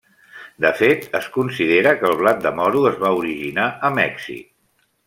De fet, es considera que el blat de moro es va originar a Mèxic.